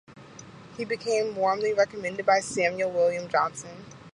He came "warmly recommended" by Samuel William Johnson.